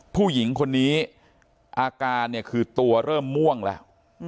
ผู้หญิงคนนี้อาการเนี่ยคือตัวเริ่มม่วงแล้ว